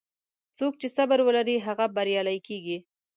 څوک چې صبر ولري، هغه بریالی کېږي.